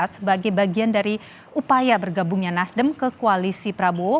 sebagai bagian dari upaya bergabungnya nasdem ke koalisi prabowo